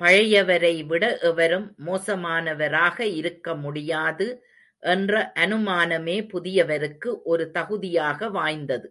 பழையவரைவிட எவரும், மோசமானவராக இருக்க முடியாது என்ற அனுமானமே, புதியவருக்கு, ஒரு தகுதியாக வாய்ந்தது.